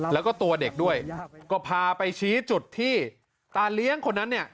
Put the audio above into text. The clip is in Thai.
แล้วก็ตัวเด็กด้วยก็พาไปชี้จุดที่ตาเลี้ยงคนนั้นเนี่ย